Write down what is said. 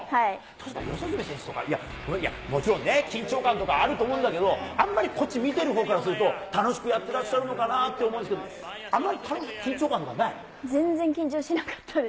四十住選手とかって、いや、もちろん、緊張感とかあると思うんだけど、あんまりこっち見てるほうからすると、楽しくやってらっしゃるかなと思うんですけど、全然緊張しなかったです。